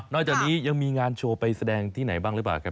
จากนี้ยังมีงานโชว์ไปแสดงที่ไหนบ้างหรือเปล่าครับ